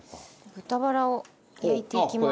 豚バラを焼いていきます。